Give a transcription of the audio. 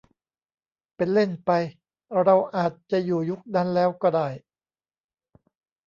เป็นเล่นไป เราอาจจะอยู่ยุคนั้นแล้วก็ได้